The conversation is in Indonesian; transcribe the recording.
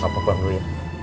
papa pulang dulu ya